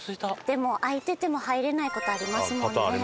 でも開いてても入れない事ありますもんね。